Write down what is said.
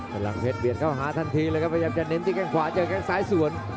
พลังเพชรเบียดเข้าหาทันทีเลยครับพยายามจะเน้นที่แข้งขวาเจอแข้งซ้ายสวน